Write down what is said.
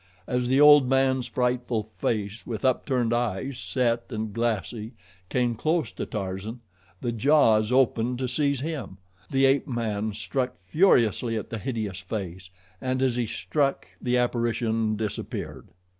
As the old man's frightful face, with upturned eyes, set and glassy, came close to Tarzan, the jaws opened to seize him. The ape man struck furiously at the hideous face, and as he struck the apparition disappeared.